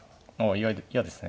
意外と嫌ですね